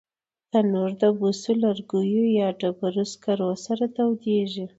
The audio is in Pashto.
تنور د بوسو، لرګیو یا ډبرو سکرو سره تودېږي